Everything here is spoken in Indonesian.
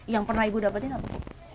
yang pernah ibu dapetin apa